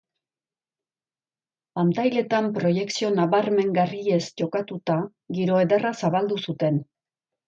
Pantailetan proiekzio nabarmengarriez jokatuta, giro ederra zabaldu zuten.